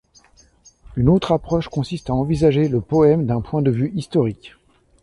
Une autre approche consiste à envisager le poème d'un point de vue historique.